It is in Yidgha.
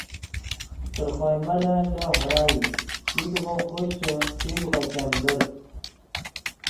تر خوئے ملن لوہ ڤرائی یوګغو خوشچے یوګغو ګیمدر